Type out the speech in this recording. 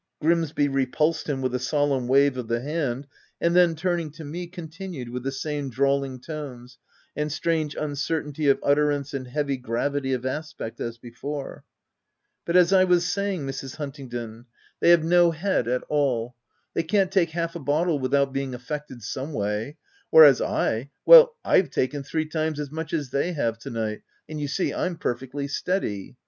» Grimsby repulsed him with a solemn wave of the hand, and then, turning to me, con tinued, with the same drawling tones, and strange uncertainty of utterance and heavy gravity of aspect as before, " But as I was say ing, Mrs. Huntingdon, — they have no head at OF WILDFELL HALL. 231 all % they can't take half a bottle without being affected some way ; whereas I — well, Pve taken three times as much as they have to night, and you see I'm perfectly steady.